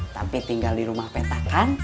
tapi tinggal di rumah petakan